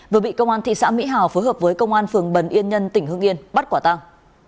vừa bị công an thị xã mỹ hào phối hợp với công an phường bần yên nhân tỉnh hương yên bắt quả tăng